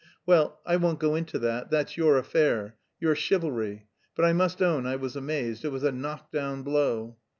Well, I won't go into that... that's your affair... your chivalry, but I must own I was amazed, it was a knock down blow.